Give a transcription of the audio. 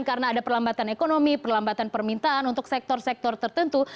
karena ada perlambatan ekonomi perlambatan permintaan untuk sektor sektor tertentu